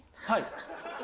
はい。